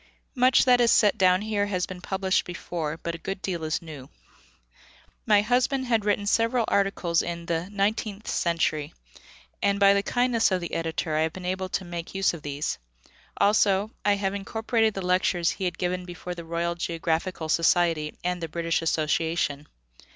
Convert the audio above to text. Much that is set down here has been published before, but a good deal is new. My husband had written several articles in the Nineteenth Century, and by the kindness of the editor I have been able to make use of these; also I have incorporated the lectures he had given before the Royal Geographical Society and the British Association.